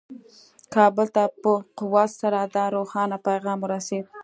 کابل ته په قوت سره دا روښانه پیغام ورسېد.